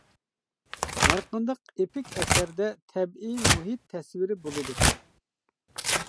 ھەر قانداق ئېپىك ئەسەردە تەبىئىي مۇھىت تەسۋىرى بولىدۇ.